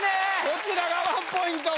こちらがワンポイント